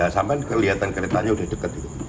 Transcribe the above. sampai kelihatan keretanya udah dekat gitu